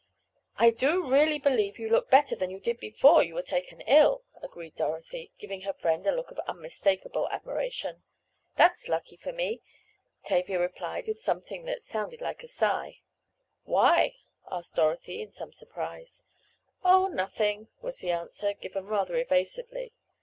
"I do really believe you look better than you did before you were taken ill," agreed Dorothy, giving her friend a look of unmistakable admiration. "That's lucky for me," Tavia replied with something that sounded like a sigh. "Why?" asked Dorothy in some surprise. "Oh, nothing," was the answer, given rather evasively.